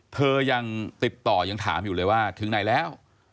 เธอยังติดต่อยังถามอยู่เลยว่าถึงไหนแล้ว